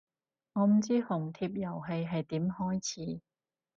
我唔知紅帖遊戲係點開始